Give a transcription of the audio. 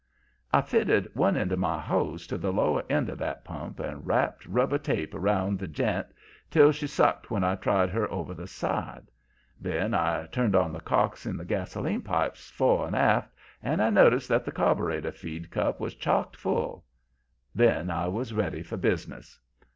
"I fitted one end of my hose to the lower end of that pump and wrapped rubber tape around the j'int till she sucked when I tried her over the side. Then I turned on the cocks in the gasoline pipes fore and aft, and noticed that the carbureter feed cup was chock full. Then I was ready for business.